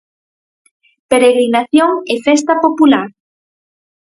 Peregrinación e festa popular.